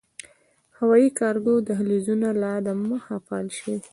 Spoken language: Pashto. هوايي کارګو دهلېزونه لا دمخه “فعال” شوي